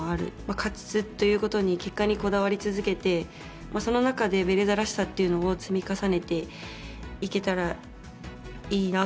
勝つということに、結果にこだわり続けて、その中で、ベレーザらしさというのを積み重ねていけたらいいな。